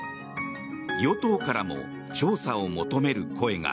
与党からも調査を求める声が。